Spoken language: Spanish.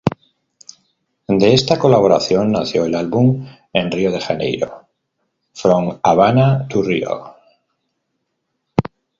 De esta colaboración nació el álbum en Río de Janeiro, "From Havana to Rio".